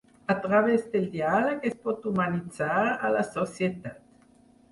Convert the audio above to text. A través del diàleg es pot humanitzar a la societat.